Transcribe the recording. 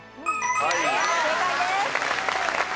正解です。